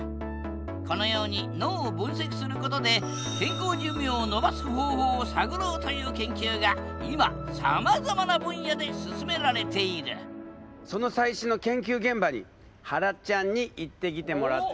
このように脳を分析することでという研究が今さまざまな分野で進められているその最新の研究現場にはらちゃんに行ってきてもらったよ。